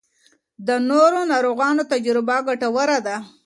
د نورو ناروغانو تجربه ګټوره ده.